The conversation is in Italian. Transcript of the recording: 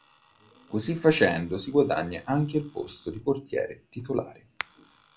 Così facendo si guadagna anche il posto di portiere titolare.